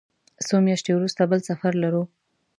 څو میاشتې وروسته بل سفر لرو.